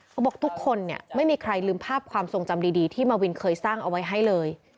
เขาบอกทุกคนเนี่ยไม่มีใครลืมภาพความทรงจำดีที่มาวินเคยสร้างเอาไว้ให้เลย